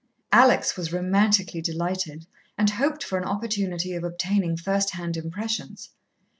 Alex was romantically delighted, and hoped for an opportunity of obtaining first hand impressions.